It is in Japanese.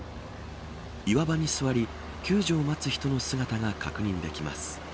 岩場に座り、救助を待つ人の姿が確認できます。